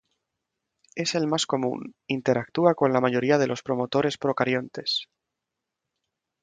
Es el más común, interactúa con la mayoría de los promotores procariontes.